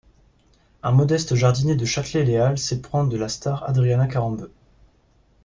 Un modeste jardinier de Châtelet les Halles s'éprend de la star Adriana Karembeu.